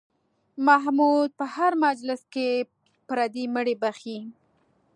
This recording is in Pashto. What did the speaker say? محمود په هر مجلس کې پردي مړي بښي.